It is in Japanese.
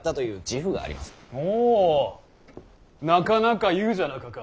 ほうなかなか言うじゃなかか。